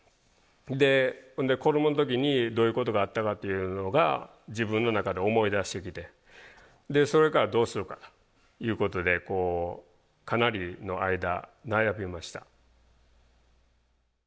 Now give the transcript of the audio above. でほんで子どもの時にどういうことがあったかっていうのが自分の中で思い出してきてそれからどうするかいうことでこうかなりの間悩みました。